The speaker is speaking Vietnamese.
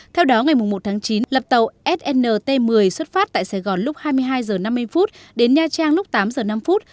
theo đó ngày một tháng chín lập tàu snt một mươi xuất phát tại sài gòn lúc hai mươi hai h năm mươi đến nha trang lúc tám giờ năm phút